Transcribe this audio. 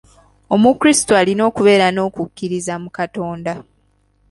Omukiristu alina okubeera n'okukkiriza mu Katonda.